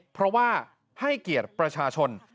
เพราะว่าให้เกียรติประชาชน